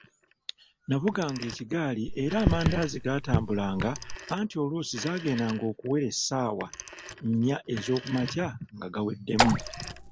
Navuganga ekigaali era amandaazi gaatambulanga anti oluusi zaagendanga okuwera ssaawa nnya ezookumakya nga gaweddemu.